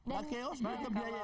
gakeos mereka biayai